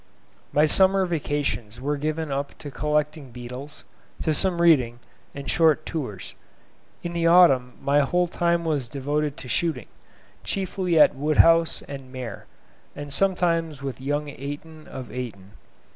My summer vacations were given up to collecting beetles, to some reading, and short tours. In the autumn my whole time was devoted to shooting, chiefly at Woodhouse and Maer, and sometimes with young Eyton of Eyton.